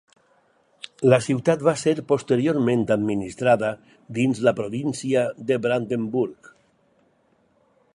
La ciutat va ser posteriorment administrada dins la província de Brandenburg.